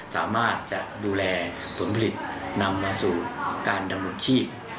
สามารถจะดูแลผลผลิตนำมาสู่การดำรงชีพ